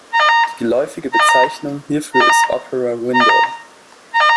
Die geläufige Bezeichnung hierfür ist Opera window.